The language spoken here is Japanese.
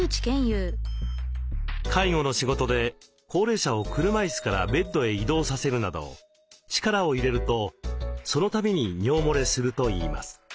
介護の仕事で高齢者を車いすからベッドへ移動させるなど力を入れるとそのたびに尿もれするといいます。